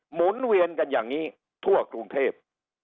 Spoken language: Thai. หมุนเวียนกันอย่างนี้ทั่วกรุงเทพ